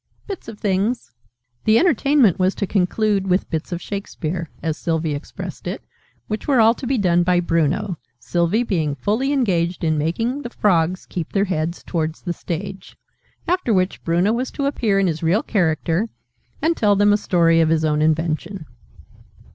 "Bits of things!" The entertainment was to conclude with "Bits of Shakespeare," as Sylvie expressed it, which were all to be done by Bruno, Sylvie being fully engaged in making the Frogs keep their heads towards the stage: after which Bruno was to appear in his real character, and tell them a Story of his own invention.